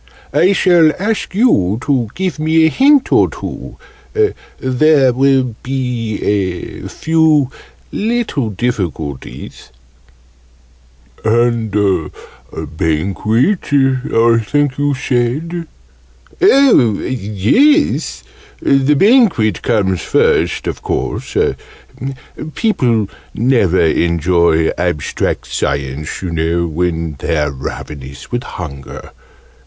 "I shall ask you to give me a hint or two there will be a few little difficulties " "And Banquet, I think you said?" "Oh, yes! The Banquet comes first, of course. People never enjoy Abstract Science, you know, when they're ravenous with hunger.